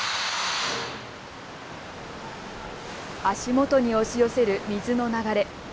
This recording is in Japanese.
足元に押し寄せる水の流れ。